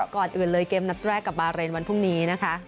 ก่อนอื่นเลยเกมนัดแรกกับบาเรนวันพรุ่งนี้นะคะ